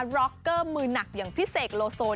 ร็อกเกอร์มือหนักอย่างพี่เสกโลโซ